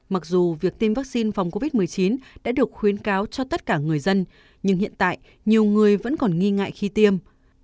mặc dù việc tiêm vaccine phòng covid một mươi chín đã được khuyến cáo cho tất cả người dân nhưng hiện tại nhiều người vẫn còn nghi ngại khi tiêm